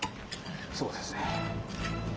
そうですね。